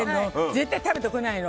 絶対食べてこないの。